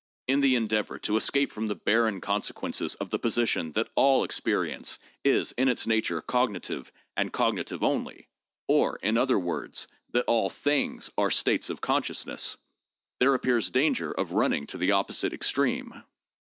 In the endeavor to escape from the barren consequences of the position that all experience is in its nature cognitive and cognitive only, or, in other words, that all things are 'states of consciousness,' there appears danger of running to the opposite extreme.